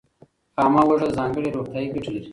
خامه هوږه ځانګړې روغتیایي ګټې لري.